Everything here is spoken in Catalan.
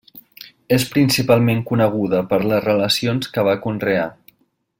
És principalment coneguda per les relacions que va conrear.